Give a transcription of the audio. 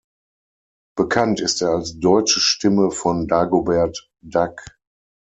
Bekannt ist er als deutsche Stimme von Dagobert Duck.